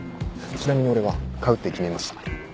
ちなみに俺は買うって決めました。